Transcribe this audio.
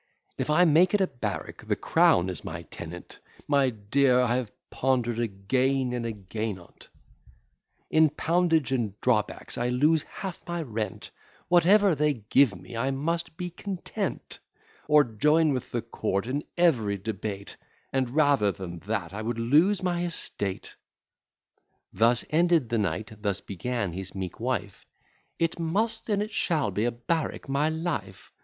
If I make it a barrack, the crown is my tenant; My dear, I have ponder'd again and again on't: In poundage and drawbacks I lose half my rent, Whatever they give me, I must be content, Or join with the court in every debate; And rather than that, I would lose my estate." Thus ended the knight; thus began his meek wife: "It must, and it shall be a barrack, my life.